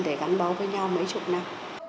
để gắn báu với nhau mấy chục năm